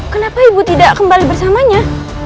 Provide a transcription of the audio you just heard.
kenapa ibu tidak kembali bersamanya